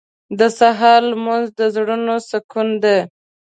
• د سهار لمونځ د زړونو سکون دی.